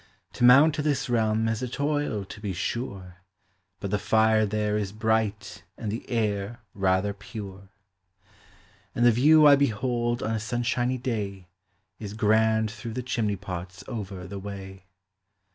To mount to this realm is a toil, to be sure, But the lire there is bright and the air rather pure; 378 POEMS OF FRIEXDSHIP. And the view I behold on a sunshiny day Is grand through the chimney pots over the way.